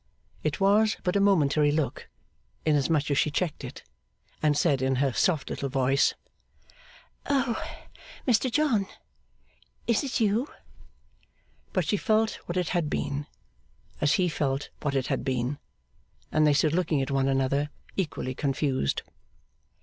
It was but a momentary look, inasmuch as she checked it, and said in her soft little voice, 'Oh, Mr John! Is it you?' But she felt what it had been, as he felt what it had been; and they stood looking at one another equally confused.